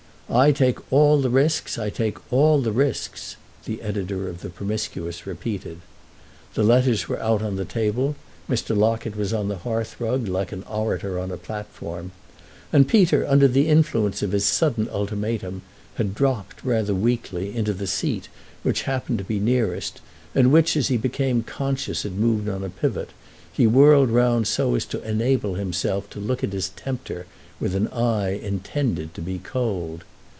"I take all the risks, I take all the risks," the editor of the Promiscuous repeated. The letters were out on the table, Mr. Locket was on the hearthrug, like an orator on a platform, and Peter, under the influence of his sudden ultimatum, had dropped, rather weakly, into the seat which happened to be nearest and which, as he became conscious it moved on a pivot, he whirled round so as to enable himself to look at his tempter with an eye intended to be cold.